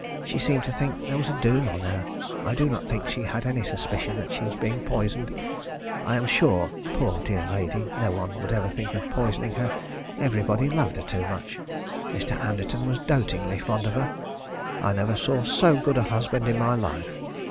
She seemed to think there was a doom on her. I do not think she had any suspicion that she was being poisoned. I am sure poor dear lady, no one would ever think of poisoning her, everybody loved her too much. Mr. Anderton was dotingly fond of her. I never saw so good a husband in my life.